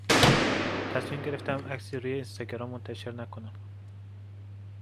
تصمیم گرفتم عکسی روی اینستاگرام منتشر نکنم